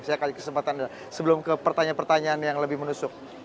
saya kasih kesempatan sebelum ke pertanyaan pertanyaan yang lebih menusuk